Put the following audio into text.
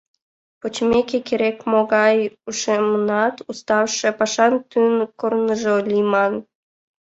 Почмеке, керек-могай ушемынат уставше, пашан тӱҥ корныжо лийман.